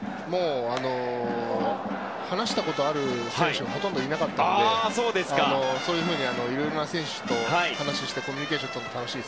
話したことある選手がほとんどいなかったのでいろんな選手と話をしてコミュニケーションとりました。